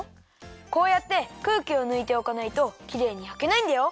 こうやってくうきをぬいておかないときれいにやけないんだよ。